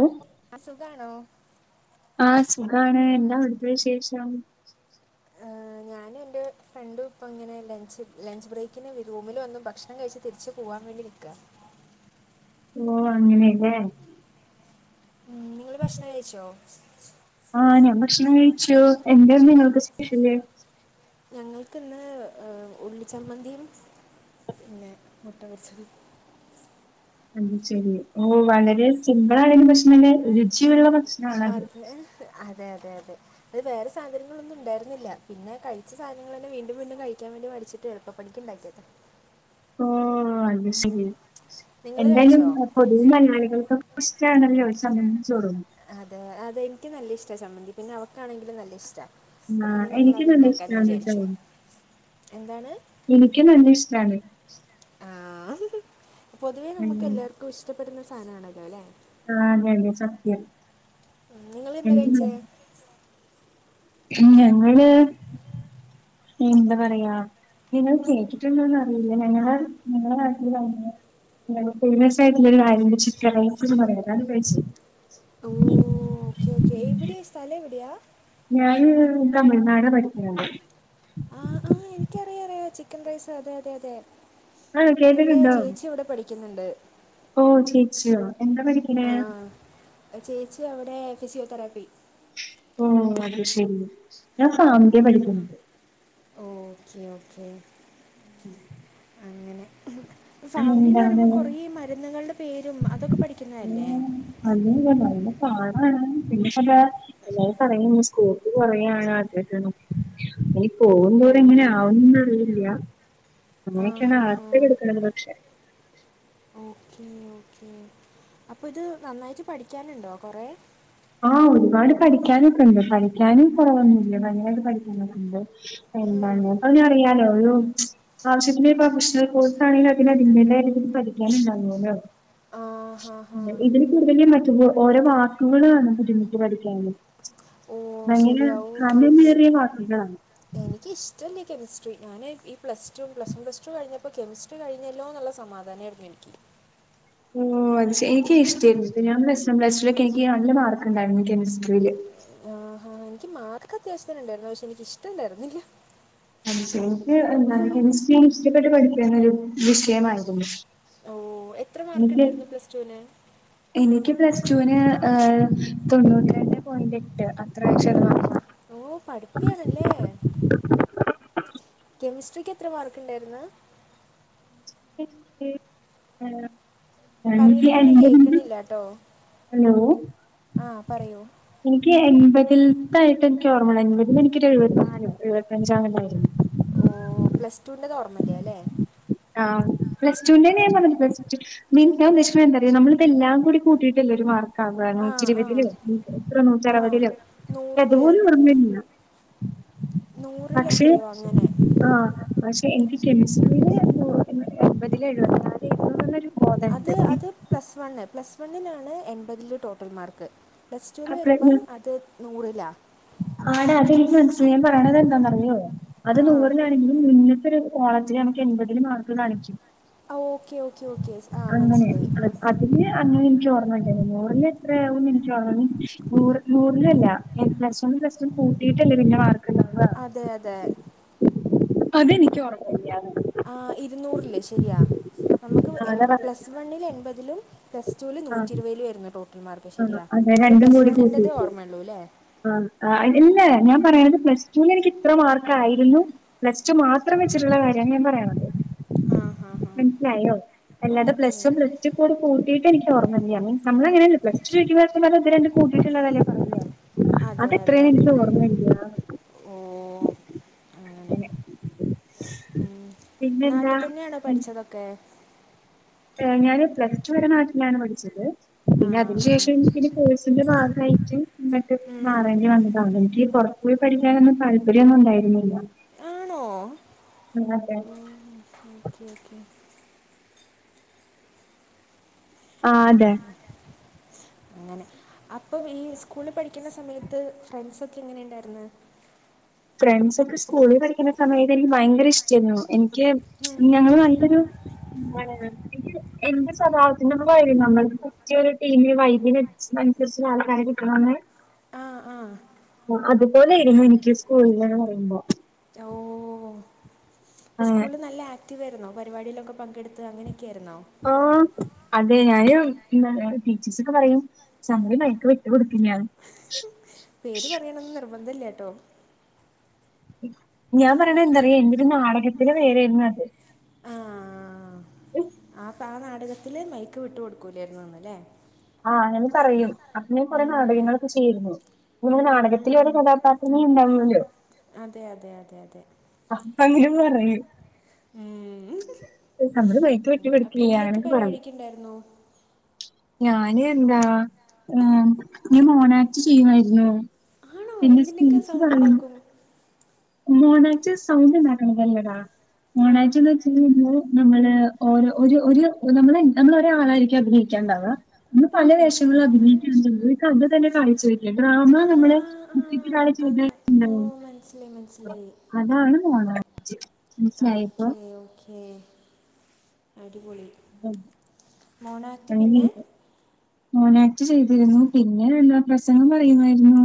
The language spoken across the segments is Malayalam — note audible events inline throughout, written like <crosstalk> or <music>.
ഓ അഹ സുഖാണോ? ആഹ് സുഖാണ് എന്താ അവിടുത്തെ വിശേഷം? <unintelligible> ഞാനും എന്റെ ഫ്രണ്ടും ഇപ്പം ഇങ്ങനെ ലഞ്ച്.. ലഞ്ച് ബ്രേക്കിനുറൂമിൽ വന്നു ഭക്ഷണം കഴിച്ച് തിരിച്ചുപോവാൻവേണ്ടി നിൽക്കുവ ഓ.. അങ്ങനെയല്ലേ? നിങ്ങളുഭക്ഷണം കഴിച്ചോ? ആഹ്.. ഞാൻഭക്ഷണം കഴിച്ചു. എന്താനിങ്ങൾക് സ്പെഷ്യല്? ഞങ്ങൾക്കിന്ന്.. ഏ.. ഉള്ളിച്ചമ്മന്തിയും, പിന്നെ- മുട്ടപൊരിച്ചതും. അ ശരി ഓ വളരെ സിമ്പിലയാ- ഭക്ഷണംലേ, രുചിയുള്ള ഭക്ഷ- അതെ, അതെ, അതെ. അതുവേറെ സാധനങ്ങളൊന്നും ഉണ്ടായിരുന്നില്ല. പിന്നെ കഴിച്ച- സാധനങ്ങളൊക്കെ വീണ്ടും, വീണ്ടും കഴിക്കാൻ വേണ്ടി മേടിച്ചിട്ടുണ്ട്. ഇപ്പോ പഠിക്കാനുണ്ടാക്കിയതാ. ഓ.. അതുശരി. നിങ്ങൾ എന്തായാലും കഴിച്ചോ പൊതുവേ- മലയാളികൾക്കൊക്കെ- ഇഷ്ടമാണല്ലോചമ്മന്തിയും, ചോറും. അതെ, അതെ യെനിക്കുനല്ലയിഷ്ടാ ചമ്മന്തി. പിന്നെയവൾക്കാണെങ്കിലും നല്ലയിഷ്ടാ. അപ്പോ ആഹ് എനിക്ക് പിന്നെഞങ്ങള- നല്ല ഇഷ്ടാണ് തുണ്ടാക്കാന്നുവിചാരിച്ചു. എന്താണ്? എനിക്കും നല്ലയിഷ്ടമാണ്. ആഹ്.. പൊതുവേ- ഉം നമുക്കെല്ലാവർക്കും ഇഷ്ടപ്പെടുന്ന സാധനമാണല്ലോ, അല്ലെ? ആഹ്.. അതെ യതെ സത്യം. ഉം.. നിങ്ങളെന്താ എനിക്ക് കഴിച്ചേ? ഞങ്ങളെന്താപറയാ- നിങ്ങൾ കേട്ടിട്ടുണ്ടോന്നറിയില്ല- ഞങ്ങള് ങ്ങളടെനാട്ടിലാണ്. ഫേമസ് ആട്ടല്ല ആഴ ചിത്ര മയാഴ- <inaudible> ഓഹോ.. ഓക്കേയോക്കെ. എവിടെയാ? സ്ഥലമെവിടെയാ? ഞാനിന്നുതമിഴ്നാടാപഠിക്കണത്. ചെറിയ, ചെറിയചിക്കൻ റൈസാ. അതെ അതെ അതെ... എൻ്റെ ആഹ്കേട്ടിട്ടുണ്ടോ, ചേച്ചി ഇവിടെ പഠിക്കുന്നുണ്ട് ഓഹോ.. ചേച്ചിയോ എന്താ പഠിക്കിണേ. ചേച്ചിയവിടെ ഫിസിയോതെറാപ്പി. ഓഹോ.. അതുശരി. ഞാൻ ഫാമ്- ഡി പഠിക്കണേ. Okay, okay. <inaudible> അങ്ങനെ. ഫാമ് ടി എന്താണ് ന്നുവരുമ്പോൾ, കുറേമരുന്നുകളുടെ പേരും, അതൊക്കെ പഠിക്കുന്നതല്ലേ? അതുതന്നയാ, നല്ലപാടാണ്- പിന്നെയിപ്പമിത്, എല്ലാരുംപറയും സ്കോപ്പു കുറയുകയാണാഗ്രഹമിനി- പോകുംപോയ, ഓ തെങ്ങനെയാവുമെന്നറി- ഇല്ല, ആ നമ്മളൊക്കെയാണേ- ഹാ യാദ്യത്തെ ഹാ കെടുകടക്കും പക്ഷേ, ഉം.. അപ്പോയിത് നന്നായിട്ടു പഠിക്കാനുണ്ടോ? കുറേ? ആഹ്ഒരുപാടു- പഠിക്കാനൊക്കെയുണ്ട്. പഠിക്കാനും കുറവൊന്നുമില്ല, പഴയതു പഠിക്കുന്ന പോലെ. ഉം. എന്താന്നിപ്പൊയിനി അറിയാനുള്ളൂ. ആവശ്യത്തിനു പ്രൊഫഷണൽ കോഴ്സാണെങ്കിൽ- അതിനതിന്റേതായ രീതി പഠിക്കാനുണ്ടാകുമല്ലേ? ആ ഹാ ഹാ ഇതിന്കൂടുതല്മാറ്റുമോ ഓരോ വാക്കുകള്- ബുദ്ധിമുട്ട് പഠിക്കാന്- ഓ ഭയങ്കരഖനമേറിയ വാക്കുകളാ. എനിക്കിഇഷ്ടമില്ല യീകെമിസ്ട്രി, ഞാനീ പ്ലസ്ടു, പ്ലസ്‌വൺ, പ്ലസ്ടു- കഴിഞ്ഞപ്പോൾ കെമിസ്ട്രി- കെമിസ്ടി കഴിഞ്ഞല്ലോയെന്നുള്ള സമാധാനമായിരുന്നു എനിക്ക്. ഓഹോ.. അതു ശരി, എനിക്കിഷ്ടമാ ഞാൻ പ്ലസ് വൺ, പ്ലസ്ടുവിന് എനിക്കുനല്ല- മാർക്കുണ്ടായിരുന്നു കെമിസ്ട്രിയില്. ആഹ്.. എനിക്കുമാർക്കത്യാവശ്യത്തിനുണ്ടായിരുന്നു. പക്ഷേയെനിക്കിഷ്ടമുണ്ടായിരുന്നില്ല. ആഹ്.. എനിക്കെന്താ- കെമിസ്ട്രിയിഷ്ടപ്പെട്ടു- പഠിക്കുന്നൊരു വിഷയമായിരുന്നു. ഓ.. എത്രമാർക്കുണ്ടായിരുന്നു, പ്ലസ്ടുവിന്. എനിക്കുപ്ലസ് ടുവിന് തൊണ്ണൂറ്റിരണ്ടു പോയിന്റെട്ട്, അത്രാ വചാണു. ഓ.. പഠിപ്പിയാണല്ലേ. കെമിസ്ട്രിക്കെത്ര- മാർക്കുണ്ടായിരുന്നു? <inaudible> ട്ടോ. ഹലോ... ! എനിക്ക് എൺപതിൽത്തായിട്ട് എനിക്ക് ഓർമ്മയുള്ളൂ എൺപതിൽ എനിക്കൊരു എഴുപത്തിനാലും എഴുപത്തിഞ്ചാം എങ്ങാണ്ടായിരുന്നു ഓഹ് പ്ലസ് ടുൻ്റെത് ഓമ്മയില്ല അല്ലേ ആഹ് പ്ലസ്ടുന്റേന് ഞാൻ പറഞ്ഞു <unintelligible> മീൻ <unintelligible> നമ്മളിതെല്ലാം കൂ കൂട്ടിയിട്ടല്ലേ ഒരു മാർക്ക് ആ നാന്നൂറ്റി ഇരുപതില് എത്ര നൂറ്റി ആ അറുപതിലും എനിക്ക് നൂറിൽ അതുപോലും ഓർമ്മയില്ല നൂറിൽ പക്ഷെ എത്രയോ അങ്ങനെ ആഹ് പക്ഷെ എനിക്ക് കെമിസ്ട്രില് എൺപതിൽ എഴപത്തിനാല് <unintelligible> അത് അത് പ്ലസ് വൺ പ്ലസ് വണ്ണിലാണ് എൺപതില് ടോട്ടൽ മാർക്ക് പ്ലസ് ടുവില് അപ്പഴ് വരുമ്പം അത് നൂറില ആടാ അതെനിക്ക് മനസ്സിലായി ഞാൻ പറയണതെന്താന്നറിയോ അത് ആ നൂറിലാണെങ്കിലും മുന്നത്തൊരു കോളത്തില് നമുക്ക് എൺപതില് മാർക്ക് കാണിക്കും ആ ഓക്കെ ഓക്കെ ഓക്കെ ആഹ് മനസ്സിലായി അതിന് അന്നേരം എനിക്ക് ഓർമയുണ്ട് നൂറില് എത്രയാകുമെന്ന് എനിക്ക് അതിന് നൂറിലല്ല എ പ്ലസ് പ്ലസ് വണ്ണും പ്ലസ് ടും കൂട്ടിട്ടല്ലേ പിന്ന മാർക്ക് ഇടുന്ന <unintelligible> അതെ അതെ അതെനിക്കോർമ്മയില്ലാന്നെ ആ ഇരുന്നൂറില് ശരിയാ നമുക്ക് അതാ പറഞ്ഞെ പ്ലസ് വണ്ണിൽ എൺപതിലും പ്ലസ് ടുവിൽ ആഹ് നൂറ്റി ഇരുപതിലുവാരുന്നു ടോട്ടൽ മാർക്ക് ആഹ് ശരിയാ അതെ അതിൽ രണ്ടും പ്ലസ് കൂടി വണ്ണിൻ്റെത് കൂട്ടിയിട്ട് ഓമ്മയള്ളൂ അല്ലേ ആഹ് ഇല്ല ഞാൻ പറയണത് പ്ലസ്ടു വിൽ എനിക്ക് ഇത്ര മാർക്ക് ആയിരുന്നു പ്ലസ് ടു മാത്രം വച്ചിട്ടുള്ള കാര്യ ഞാൻ പറയണത് ആഹ് ആഹ് മനസിലായോ അല്ലാതെ പ്ലസ് വൺ പ്ലസ് ടു കൂടി കൂട്ടിട്ട് എനിക്ക് ഓർമയില്ല <unintelligible> കൂട്ടീട്ടുള്ളതല്ലേ പറഞ്ഞ അതെ അതെ അതെത്രയും അതെ എനിക്ക് ഓർമ്മയില്ല ഓ അങ്ങനെ <inaudible> നാട്ടി പിന്നെന്താ തന്നെയാണോ പഠിച്ചതൊക്കെ ഞാന് പ്ലസ് ടുന് നാട്ടിലാണ് പഠിച്ചത് ആ പിന്നെ അതിന് ആ ശേഷം എനിക്കൊരു കോഴ്സിന്റെ ഭാഗമായിട്ട് ഇങ്ങിട്ട് ഉം. മാറേണ്ടി വന്നതാണ് എനിക്കി പൊറ ത്ത് പോയി പഠിക്കാനൊന്നും താല്പര്യൊന്നും ഉണ്ടായിരുന്നില്ല <unintelligible> ഉം ഓക്കെ ഓക്കെ ആഹ് അതെ അങ്ങനെ അപ്പം ഈ സ്കൂളിൽ പഠിക്കുന്ന സമയത്ത് ഫ്രണ്ട്സൊക്കെ എങ്ങനെയുണ്ടായിരുന്ന് ഫ്രണ്ട്സ് ഒക്കെ സ്കൂളിൽ പഠിക്കുന്ന സമയത്ത് എനിക്ക് ഭയങ്കര ഇഷ്ടായിരുന്നു എനിക്ക് ഉം. ഞങ്ങള് നല്ലൊരു എന്താണ് എനിക്ക് എന്റെ സ്വഭാവത്തിന്റെയൊരു കാര്യം പറഞ്ഞാൽ പറ്റിയൊരു ടീമിനെ വൈബിന് <unintelligible> <unintelligible> ആൾക്കാരെ <unintelligible> ആഹ് ആഹ് അതുപോലായിരുന്നു എനിക്ക് സ്കൂളെന്ന് പറയുമ്പോ റ്റോ അപ്പ ഏഹ് സ്കൂളി നല്ല ആക്റ്റീവ് ആയിന്നോ പരിപാടിയിലൊക്കെ പങ്കെടുത്ത് അങ്ങനൊക്കെയായിരുന്നോ ആഹ് അതെ ഞാനും ടീച്ചേഴ്സൊക്കെ പറയും സമയ മൈക്ക് വിട്ട് കൊടുക്കില്ലാന്ന് പേര് പറയണമെന്ന് നിർബന്ധമില്ലട്ടോ ഞാൻ പറയണ എന്താറിയൊ എന്റൊരു നാടകത്തില പേരായിരുന്നു അത് ആ ആ നാടകത്തില് മൈക്ക് വിട്ടു കൊടുക്കൂലായിരുന്നുന്നല്ലേ ആഹ് ഞാൻ പറയും അപ്പനും കുറെ ഉം, നാടകങ്ങളൊക്കെ ചെയ്തിരുന്നു നമ്മുടെ നാടകത്തില ഉം, ഒരു കഥാപാത്രമേ ഉണ്ടാവല്ലോ അതെ അതെ അതെ അതെ അപ്പ എങ്കിലും പറയും മ് നമ്മള് ബൈക്ക് വിറ്റ് <unintelligible> ഇണ്ടായിരുന്നോ ഞാന് ന്താ ആ മോണാക്ക്റ്റ് ചെയ്യുമായിരുന്നു. ആണോ പിന്നെ എന്തിൻ്റെയൊക്കെ സ്പീച്ച് സൗണ്ട് പറയും. ഉണ്ടാക്കും മോണെക്ട് സൗണ്ട് ണ്ടാക്ക്ണതല്ലടാ. ആ മോണക്ട് ന്ന് ച്ചയിഞ്ഞാല് നമ്മള് ഓര ഒരു ഒരു നമ്മളെന്താ നമ്മൾ ഒരാളായിരിക്കും അഭിനയികാണ്ടാവ ഇന്ന് പല ഉം, ഉം. വേഷങ്ങളഭിനയിച്ചയിഞ്ഞാ ഒരു കഥ തന്നെ <unintelligible> ഡ്രാമ ആ നമ്മൾ ആ ആ അത് ഓ മനസ്സിലായി മനസ്സിലായി. അതാണ് മോണക്ട്. ആ ഓക്കെ ഓക്കേ അടിപൊളി. മോണാക്ട് പിന്നെ <unintelligible> മോണാക്ട് ചെയ്തിരുന്നു. പിന്നെന്താ പ്രസംഗം പറയുമായിരുന്നു.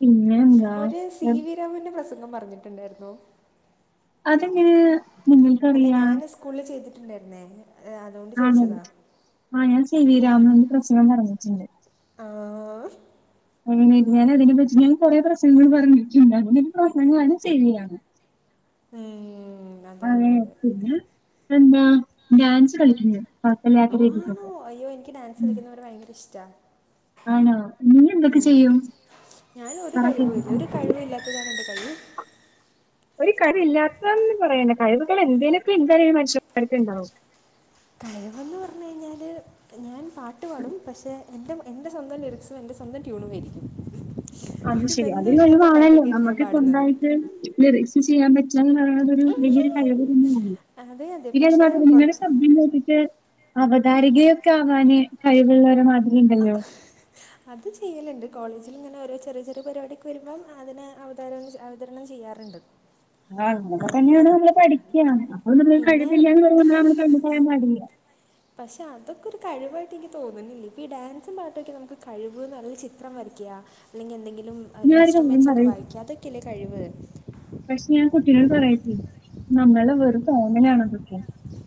പിന്നെന്താ ഒരു സി വി രാമുന്റെ പ്രസംഗം പറഞ്ഞിട്ടുണ്ടായിരുന്നോ? അതെങ്ങനെ? അല്ല നിങ്ങൾക്കറിയാ? ഞാന് സ്കൂളിൽ ചെയ്തിട്ടുണ്ടായിരുന്നേ ഏ, അതുകൊണ്ട് ആണ് ചോദിച്ചതാ ആ ഞാൻ സി വി രാമുന്റെ പ്രസംഗം പറഞ്ഞിട്ടുണ്ട്. ആ ആ അ ഞാനതിനെപ്പറ്റി ഞാൻ കൊറെ പ്രസംഗം പറഞ്ഞിട്ടുണ്ട് അതിലൊരു പ്രസംഗാണ്. ശരിയാ <inaudible> അതെ. പിന്നെന്താ ഡാൻസ് കളിക്കുന്നുണ്ട്. ഓ ആണോ അയ്യോ എനിക്ക് ഡാൻസ് ഉം. കളിക്കുന്നോരെ ഭയങ്കര ഇഷ്ടാ ആണോ? നീ എന്തൊക്കെ ഉമ്. ചെയ്യും? ഞാൻ ഒരു പറ കഴിവും കേൾക്കാം. ഇല്ല ഒരു കഴിവുല്ലാത്തതാണെന്റെ കഴിവ്. ഒരു കഴിവില്ലാത്തതന്ന് പറയണ്ട. കഴിവുകൾ എന്തേലെക്കെ എന്തായാലും മനുഷ്യണ്ടാവും. കഴിവെന്ന് പറഞ്ഞയിഞ്ഞാൽ ഞാൻ പാട്ട് പാടും പക്ഷേ എൻ്റെ എൻ്റെ സ്വന്തം ലിറിക്സും. എൻ്റെ സ്വന്തം ട്യൂണും ആയിരിക്കും. അത് ഒരു ശെരി. അതൊരു ബന്ധമില്ലാത്ത കഴിവാണല്ലോ. പാട്ടൊക്കെയാണ് ഞാൻ പാടുന്നത് നമ്മക്കിപ്പന്തായിട്ട് ലിറിക്സ് ചെയ്യാൻ പറ്റാന്ന്റയണതൊരു വലിയൊരു കഴിവ് തന്നെയാണ് അതെ അതെ പക്ഷേ <unintelligible> കുറച്ച് ശബ്ദം കേട്ടിട്ട് അവതാരികയൊക്കെ ആവാന് കഴിവുള്ളോരെ മാതിരിയുണ്ടല്ലോ. അത് ചെയ്യൽണ്ട് കോളേജിൽങ്ങനെ ഓരോ ചെറിയ ചെറിയ പരിപാടിക്കെ വരുമ്പം അതിന് അവതാര വതരണം ചെയ്യാർണ്ട്. ആ അങ്ങനെ തന്നെയാണ് നമ്മൾ പഠിക്ക്‌യാ. അപ്പൊ ന്ത്ന്നാ പിന്നെ കഴിവില്ലാന്ന് കണ്ടു പറയാൻ പാടില്ല പക്ഷെ അതൊക്കെ ഒരു കഴിവായിട്ട് ൻക്ക് തോന്നുന്നില്ല. ഇപ്പൊ ഈ ഡാൻസും പാട്ടൊക്കെ നമക്ക് കഴിവ് അല്ലങ്കി ചിത്രം വരക്ക്യാ ല്ലെങ്കി എന്തെങ്കിലും ഞാനൊരു കാര്യം ഇൻസ്ട്രുമെന്റ്സ് ഒക്കെ പറയും വായിക്ക്‌യാ അതക്കെല്ലേ കഴിവ്. പക്ഷെ ഞാൻ കുട്ടിനോട് പറയട്ടെ. നമ്മളെ വെറും തോന്നലാണതക്കെ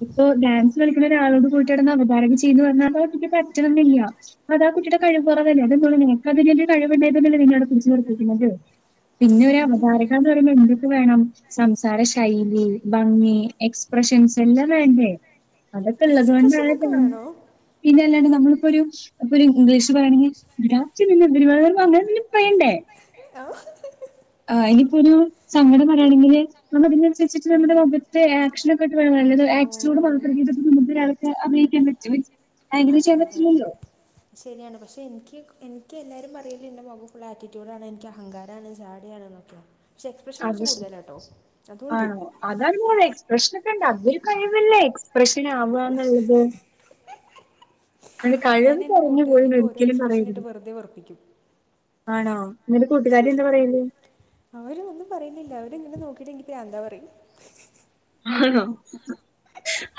ഇപ്പൊ ഡാൻസ് കളിക്കണ ഒരാളോട് പോയിട്ട് അവതാരകം ചെയ്ന്ന് പറഞ്ഞാ ആ കുട്ടിക്ക് പറ്റണന്നില്ല. അതാ കുട്ടിയുടെ കഴിവ് കുറവന്നെ <unintelligible> അതിന്റെ കഴി <unintelligible> പിന്നെ ഒരു അവതാരകാന്ന് പറയുമ്പോ എന്തൊക്കെ വേണം. സംസാര ശൈലി, ഭംഗി, എക്സ്പ്രഷൻസ്, എല്ലാം വേണ്ടേ എക്സ്പ്രഷനൊക്കെ അതൊക്കെള്ളതോണ്ടാണ്പ്പം വേണോ പിന്നെ അല്ലാണ്ട് നമ്മളിപ്പോ ഒരു ഇപ്പൊരു ഇംഗ്ലീഷ് പറയണെങ്കി ഗുഡാഫ്റ്റർനൂൻ എവരി വൺ അങ്ങനെന്തെങ്കിലും പറയേണ്ടേ ആഹ് ആ ഇനിയിപ്പോ ഒരു സങ്കടം പറയയാണെങ്കില് നമ്മളെ അഭിനയം അൻനസരിച്ചിട്ട് നമ്മുടെ മുഖത്തെ ആക്ഷൻ ഒക്കെ ഇട്ട് വേണം ആറ്റിറ്റ്യൂഡ് വു <unintelligible> അഭിനയിക്കാൻ പറ്റും <unintelligible> തെ ചെയ്യാൻ അതെ അതെ പറ്റില്ലല്ലോ. ശരിയാണ് പക്ഷേ എനിക്ക് എനിക്ക് എല്ലാവരും പറയുക എൻ്റെ മോഖം ഫുള്ളാറ്റിറ്റ്യൂടാണ് എനിക്ക് അഹങ്കാരാണ് ജാടയാണ്ന്നാ. പക്ഷെ എക്സ്പ്രഷൻ അത് കൊറച്ച് ശ കൂടുതലാട്ടോ അതുണ്ട്. ആണോ? അതാണ് മൊളേ എക്സ്പ്രഷനൊക്കെണ്ടാവും അതൊരു കഴിവല്ലേ എക്സ്പ്രഷൻ ആവ്വാന്നുള്ളത്. അന്റെ ഞാൻ കഴിവ് എൻ്റെ കൊറഞ്ഞു പോയെന്ന് കൂട്ടുകാരെയൊക്കെ ഓരോ ഒരിക്കലും എക്സ്പ്രഷൻ ഇട്ട് പറയരുത്. വെറുതെ വെറുപ്പിക്കും. ആണോ നിന്റെ കൂട്ടുകാരി എന്താ പറയല്? ആരും ഒന്നും പറയുന്നില്ല അവര്ങ്ങനെ നോക്കിയിട്ടെനിക്ക് പ്രാന്താ പറയും. ആണോ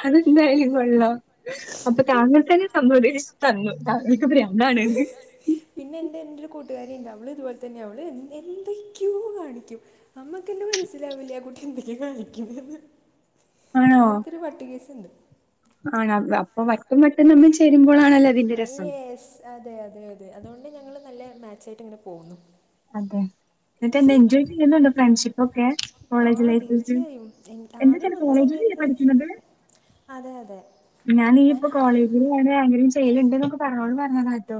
അതെന്തായാലും കൊള്ളാം. അപ്പൊ താങ്കൾ തന്നെ സമ്മതിച്ചു തന്നു താങ്കൾക്ക് ബ്രത്നണ്ന്ന് പിന്നെ എന്റെ എന്റൊരു കൂട്ടുകാരിയിണ്ട് അവള് ഇതുപോലെ തന്നെയാ അവള് എ എന്തൊക്കെയോ കാണിക്കും. നമ്മക്കന്നേ മനസ്സിലാവൂലാ കുട്ടി എന്തൊക്കെയ കാണിക്കുന്നേന്ന്. അങ്ങനത്തൊരു ഒരു വട്ടുകേസുണ്ട്. ആണോ അപ്പൊ വട്ടും വട്ടും തമ്മിൽ ചേരുമ്പോഴാണല്ലേ യെസ് അതെ അതെ അതെ അതൊണ്ട് ഞങ്ങള് നല്ല മാച്ചായിട്ടിങ്ങനെ പോകുന്നു. അതെ എന്നിട്ടെന്താ എൻജോയ് ചെയ്യുന്നൊണ്ടൊ ഫ്രണ്ട്ഷിപ്പ് ഒക്കെ ആ കോളേജ് ലൈഫൊക്കെ? തീർച്ചയായും എൻ- ആദ്യം എന്താച്ചാല് വന്ന കോളേജിലല്ലേ സമയത്ത് പഠിക്കുന്നത്? അതെ അതെ ഞാനിനീ ഞാൻ ഇപ്പ ആ- കോളേജ് നിങ്ങളെല്ലാം അങ്ങനൊക്കെ ചെയ്യല്ണ്ട് എന്നൊക്ക പറഞ്ഞതൊണ്ട് പറഞ്ഞതാട്ടൊ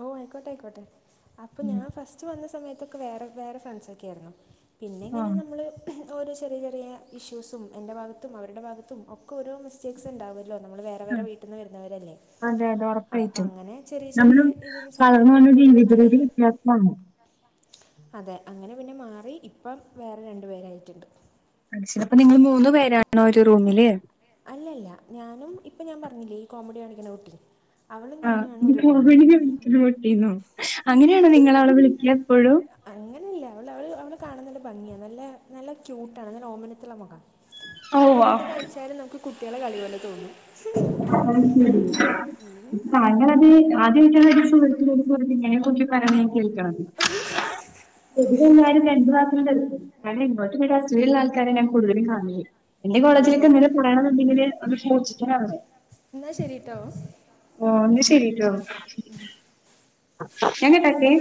ഓ ആയിക്കോട്ടെ ആയിക്കോട്ടെ അപ്പൊ ഞാൻ ഉം. ഫസ്റ്റ് വന്ന സമയത്തൊക്കെ വേറെ വേറെ ഫ്രണ്ട്സൊക്കെ ആയിരുന്നു. പിന്നിങ്ങനെ ആഹ്. നമ്മള് ഓരോ ചെറിയ ചെറിയ ഇഷ്യൂസും എൻ്റെ ഭാഗത്തും അവരുടെ ഭാഗത്തും ഒക്കെ ഓരോ മിസ്റ്റേക്സുണ്ടാവ്വല്ലോ നമ്മള് വേറെ വേറെ വീട്ടീന്ന് വരുന്നവരല്ലേ അതെ അതെ ഒറപ്പായിട്ടും. അപ്പങ്ങനെ ചെറിയ ചെറിയ നമ്മളും രീതില് വളർന്ന് വന്ന ജീവിത രീതി സൗന്ദര്യപെണക്കങ്ങളൊക്കെയായി വ്യത്യാസമാണ്. അതെ അങ്ങനെ പിന്നെ മാറി ഇപ്പം വേറെ രണ്ടു പേരായിട്ട്ണ്ട്. അതുശരി അപ്പ നിങ്ങള് മൂന്ന് പേരാണോ ഒരു റൂമില്? അല്ലല്ല ഞാനും ഇപ്പൊ ഞാൻ പറഞ്ഞില്ലേ ഈ കോമഡി കാണിക്കുന്ന കുട്ടി അവളും ആഹ്. ഞാനുആണ് ഇത് ഒരു റൂമില്. കോമഡി അങ്ങനെയാണോ നിങ്ങളവളെ വിളിക്ക്യയെപ്പോഴും? അങ്ങനെയല്ല അവള് അവ അവളെ കാണാൻ നല്ല ഭംഗിയാ നല്ല നല്ല ക്യൂട്ടാണ് നല്ല ഓമനത്തമുള്ള മുഖം. അവള് ഓഹ്. എന്ത് കാണിച്ചാലും നമുക്ക് കുട്ടികളെ കളി പോലെ തോന്നും. <inaudible> താങ്കളത് ആദ്യമായിട്ട <unintelligible> <unintelligible> അസൂയോള്ള ആൾക്കാരെയാണ് ഞാൻ കൂടുതലും കാണുന്നത്. എന്റെ ആണല്ലേ കോളേജിലൊക്കെയങ്ങനെ കുറെ അതിങ്ങനെ അത് സൂക്ഷിച് നടന്നത് എന്നാ ശരിട്ടോ. ഓ എന്നാ ശരിട്ടോ ഞാൻ കട്ട്‌ ആക്കെ